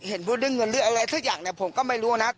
พูดเรื่องเงินหรืออะไรสักอย่างเนี่ยผมก็ไม่รู้นะ